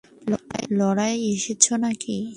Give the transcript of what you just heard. Laura, এসেছো নাকি?